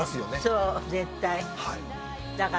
そう絶対。